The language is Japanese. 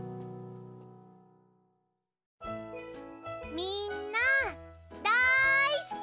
みんなだいすき！